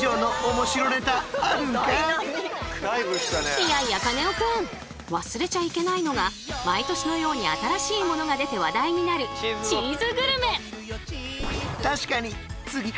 いやいやカネオくん！忘れちゃいけないのが毎年のように新しいものが出て話題になるチーズグルメ！